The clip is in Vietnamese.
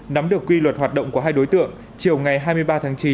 nắm được quy luật hoạt động của hai đối tượng chiều ngày hai mươi ba tháng chín